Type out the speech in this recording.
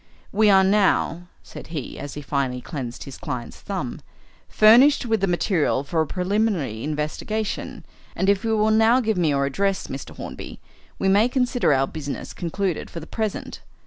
"We are now," said he, as he finally cleansed his client's thumb, "furnished with the material for a preliminary investigation, and if you will now give me your address, Mr. Hornby, we may consider our business concluded for the present.